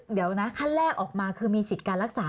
เดี๋ยวนะขั้นแรกออกมาคือมีสิทธิ์การรักษา